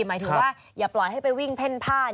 หมายถึงว่าอย่าปล่อยให้ไปวิ่งเพ่นผ้า